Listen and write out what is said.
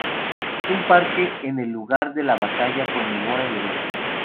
Un parque en el lugar de la batalla conmemora el evento.